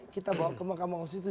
kita bawa ke mahkamah konstitusi